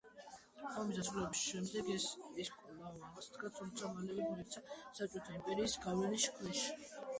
ომის დასრულების შემდეგ ის კვლავ აღსდგა, თუმცა მალევე მოექცა საბჭოთა იმპერიის გავლენის ქვეშ.